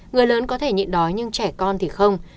người lớn có thể nhịn đói nhưng trẻ con thì không